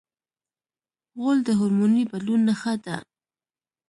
غول د هورموني بدلون نښه ده.